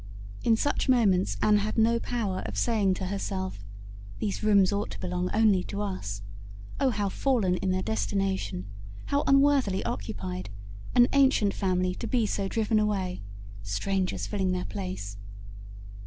In such moments Anne had no power of saying to herself, "These rooms ought to belong only to us. Oh, how fallen in their destination! How unworthily occupied! An ancient family to be so driven away! Strangers filling their place!"